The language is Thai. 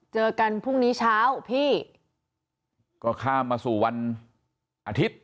เจอกันพรุ่งนี้เช้าพี่ก็ข้ามมาสู่วันอาทิตย์